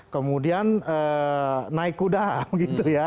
kemudian naik kuda begitu ya